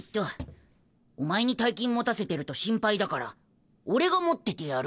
お前に大金持たせてると心配だから俺が持っててやる。